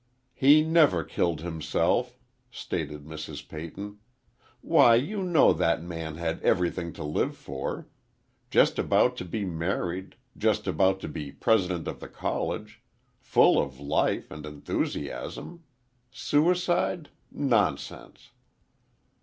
"He never killed himself," stated Mrs. Peyton. "Why, you know that man had everything to live for! Just about to be married, just about to be President of the College—full of life and enthusiasm—suicide! Nonsense!"